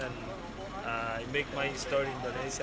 saya membuat kisah saya di indonesia